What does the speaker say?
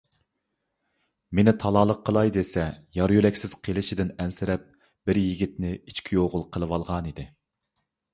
مېنى تالالىق قىلاي دېسە، يار - يۆلەكسىز قېلىشىدىن ئەنسىرەپ، بىر يىگىتنى ئىچ كۈيئوغۇل قىلىۋالغانىدى.